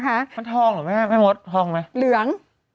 ข้าวทองเหรอแม่มดทองไหมอเรือง